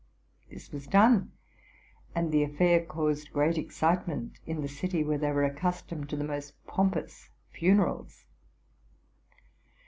This was done; and the affair caused great excitement in the city, where they were accustomed to the most pompous funerals.